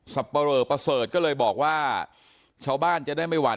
ปะเรอประเสริฐก็เลยบอกว่าชาวบ้านจะได้ไม่หวัด